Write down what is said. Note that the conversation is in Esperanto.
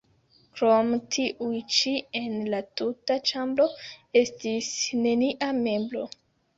Krom tiuj ĉi en la tuta ĉambro estis nenia meblo.